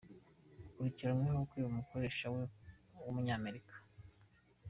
Akurikiranweho kwiba umukoresha we w’Umunyamerika